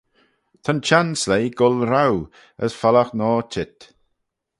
Ta'n çhenn sleih goll roue, as feallagh noa çheet.